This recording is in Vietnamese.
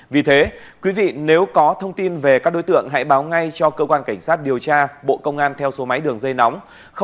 vì thế quý vị nếu có thông tin về các đối tượng hãy báo ngay cho cơ quan cảnh sát điều tra bộ công an theo số máy đường dây nóng